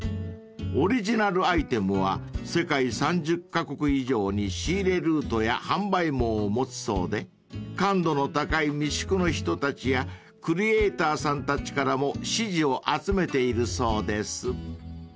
［オリジナルアイテムは世界３０カ国以上に仕入れルートや販売網を持つそうで感度の高い三宿の人たちやクリエーターさんたちからも支持を集めているそうです］